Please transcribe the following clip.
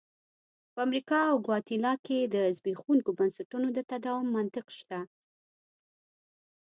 په امریکا او ګواتیلا کې د زبېښونکو بنسټونو د تداوم منطق شته.